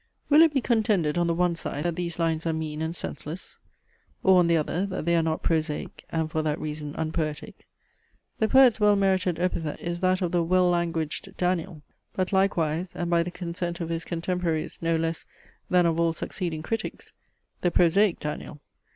Will it be contended on the one side, that these lines are mean and senseless? Or on the other, that they are not prosaic, and for that reason unpoetic? This poet's well merited epithet is that of the "well languaged Daniel;" but likewise, and by the consent of his contemporaries no less than of all succeeding critics, "the prosaic Daniel."